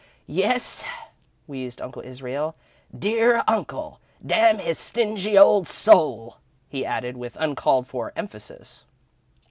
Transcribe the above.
"Yes," wheezed Uncle Israel, "'dear uncle!' Damn his stingy old soul," he added, with uncalled for emphasis.